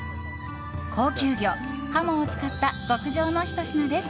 高級魚、ハモを使った極上のひと品です。